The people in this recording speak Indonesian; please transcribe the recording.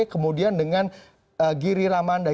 kemudian dengan giri ramanda